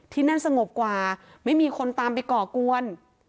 ที่นั่นสงบกว่าไม่มีคนตามไปก่อกวน